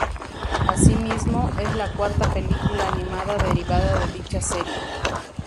Así mismo, es la cuarta película animada derivada de dicha serie.